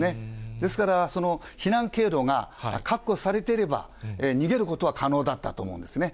ですから、避難経路が確保されていれば、逃げることは可能だったと思うんですね。